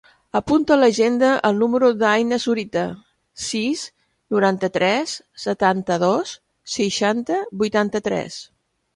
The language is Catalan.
Apunta a l'agenda el número de l'Aïna Zurita: sis, noranta-tres, setanta-dos, seixanta, vuitanta-tres.